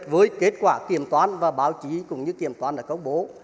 với kết quả kiểm toán và báo chí cũng như kiểm toán đã công bố